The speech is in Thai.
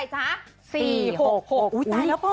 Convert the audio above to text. ๔๖๖อุ้ยตายแล้วพ่อ